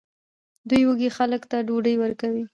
دوی وږو خلکو ته ډوډۍ ورکوي.